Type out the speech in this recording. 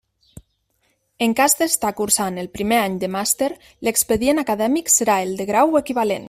En cas d'estar cursant el primer any de màster, l'expedient acadèmic serà el del grau o equivalent.